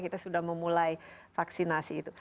kita sudah memulai vaksinasi itu